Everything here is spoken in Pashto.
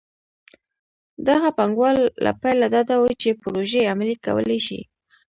دغه پانګوال له پیله ډاډه وو چې پروژې عملي کولی شي.